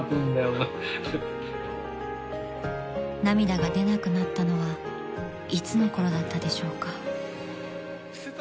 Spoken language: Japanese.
［涙が出なくなったのはいつのころだったでしょうか］